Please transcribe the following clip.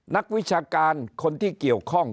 นักวิชาการคนที่เกี่ยวข้อง